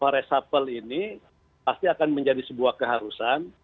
resapel ini pasti akan menjadi sebuah keharusan